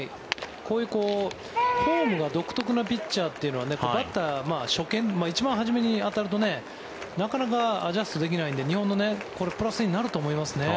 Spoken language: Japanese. こういうフォームが独特なピッチャーというのはバッター、初見一番初めに当たるとなかなかアジャストできないので日本のプラスになると思いますね。